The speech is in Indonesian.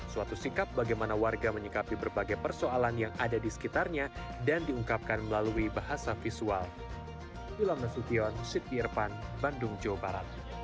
suatu sikap bagaimana warga menyikapi berbagai persoalan yang ada di sekitarnya dan diungkapkan melalui bahasa visual